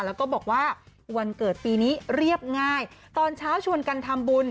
แล้วก็บอกว่าวันเกิดปีนี้เรียบง่ายตอนเช้าชวนกันทำบุญ